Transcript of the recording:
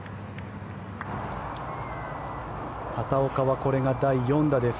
畑岡はこれが第４打です。